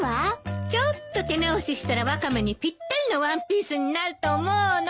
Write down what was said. ちょっと手直ししたらワカメにぴったりのワンピースになると思うの。